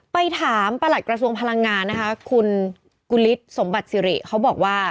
ไปถามประหลัดกระทรวงพลังงานนะคะคุณกุฤษสมบัติสิริเขาบอกว่า